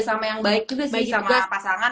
sama yang baik juga sih sama pasangan